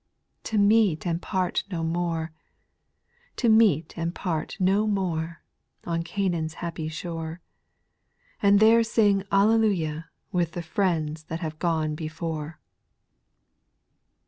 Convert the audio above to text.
To meet to part no more, To meet to part no more, On Catiaan's happy shore ; And there sing hallelujah With the friends that have gone before.